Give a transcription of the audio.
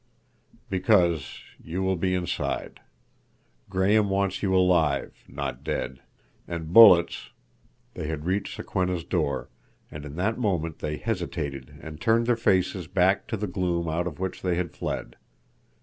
"Because you will be inside. Graham wants you alive, not dead. And bullets—" They had reached Sokwenna's door, and in that moment they hesitated and turned their faces back to the gloom out of which they had fled.